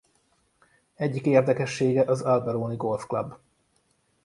Egyik érdekessége az Alberoni-Golf Club.